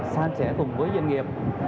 sơn sẽ cùng với doanh nghiệp